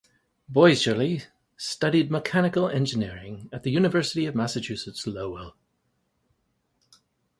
Boisjoly studied mechanical engineering at the University of Massachusetts Lowell.